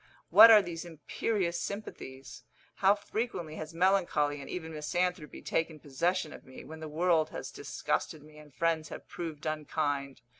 What are these imperious sympathies? How frequently has melancholy and even misanthropy taken possession of me, when the world has disgusted me, and friends have proved unkind.